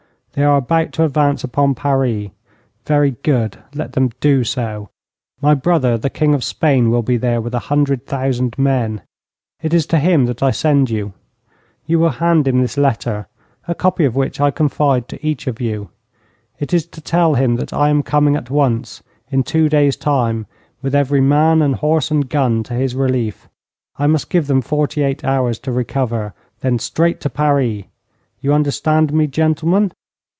They are about to advance upon Paris. Very good. Let them do so. My brother, the King of Spain, will be there with a hundred thousand men. It is to him that I send you. You will hand him this letter, a copy of which I confide to each of you. It is to tell him that I am coming at once, in two days' time, with every man and horse and gun to his relief. I must give them forty eight hours to recover. Then straight to Paris! You understand me, gentlemen?'